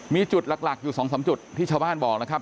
มีจุดหลักอยู่๒๓จุดที่ชาวบ้านบอกนะครับ